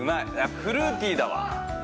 フルーティーだわ。